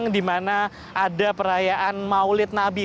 di mana ada perayaan maulid nabi